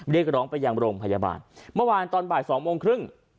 เรียกร้องไปยังโรงพยาบาลเมื่อวานตอนบ่ายสองโมงครึ่ง